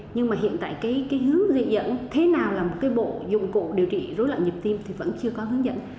nhưng mà hiện tại cái hướng di dẫn thế nào là một cái bộ dụng cụ điều trị rối loạn nhịp tim thì vẫn chưa có hướng dẫn